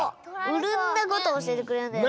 いろんなことおしえてくれるんだよ。